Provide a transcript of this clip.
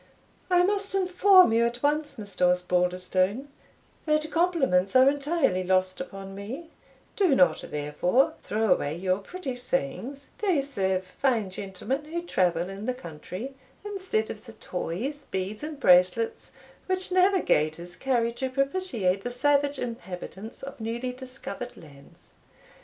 "I must inform you at once, Mr. Osbaldistone, that compliments are entirely lost upon me; do not, therefore, throw away your pretty sayings they serve fine gentlemen who travel in the country, instead of the toys, beads, and bracelets, which navigators carry to propitiate the savage inhabitants of newly discovered lands.